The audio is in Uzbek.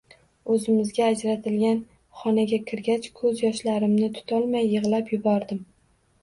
O`zimizga ajratilgan xonaga kirgach, ko`z yoshlarimni tutolmay yig`lab yubordim